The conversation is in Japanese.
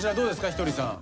ひとりさん。